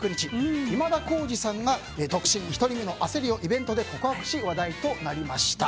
今田耕司さんが独身、独り身の焦りをイベントで告白し話題となりました。